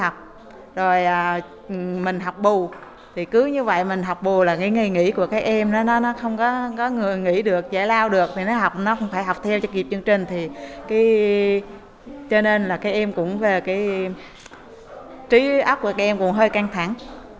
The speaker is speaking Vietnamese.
cho nên là cái em cũng về cái trí ác của cái em cũng hơi căng thẳng